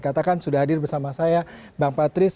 katakan sudah hadir bersama saya bang patris